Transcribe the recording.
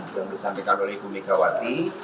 yang disampaikan oleh ibu megawati